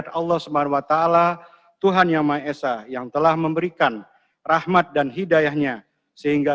dan syukur kehadirat allah swt tuhan yang mahesa yang telah memberikan rahmat dan hidayahnya sehingga